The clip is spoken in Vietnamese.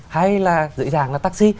hay là dưới ràng là taxi